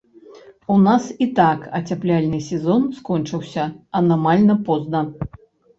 У нас і так ацяпляльны сезон скончыўся анамальна позна.